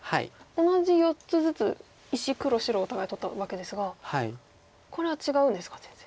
同じ４つずつ石黒白お互い取ったわけですがこれは違うんですか全然。